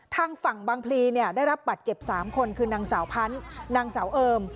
ทางฝั่งบางพลีเนี่ยได้รับบัตรเจ็บ๓คนคือนางสาวพันธุ์นางสาวเอิม